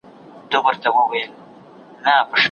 له قاتله چي څوک ځان نه سي ژغورلای